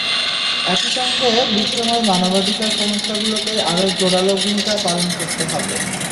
একই সঙ্গে বিশ্বময় মানবাধিকার সংস্থাগুলোকে আরও জোরালো ভূমিকা পালন করতে হবে।